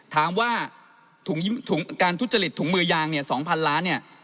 ถามว่าการทุจริตถุงมือยาง๒๐๐๐ล้าน